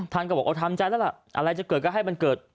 ท่านก็บอกเอาทำใจแล้วล่ะอะไรจะเกิดก็ให้มันเกิด